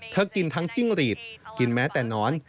กินทั้งจิ้งหรีดกินแม้แต่หนอน